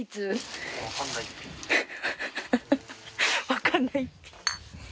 分かんないって。